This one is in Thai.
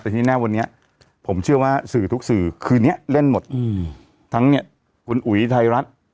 แต่ที่แน่วันนี้ผมเชื่อว่าสื่อทุกสื่อคืนนี้เล่นหมดอืมทั้งเนี่ยคุณอุ๋ยไทยรัฐ